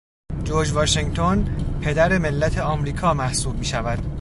جورج واشنگتن پدر ملت امریکا محسوب میشود.